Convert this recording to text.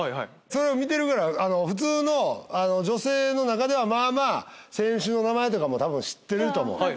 それを見てるから普通の女性の中ではまあまあ選手の名前とか知ってると思う。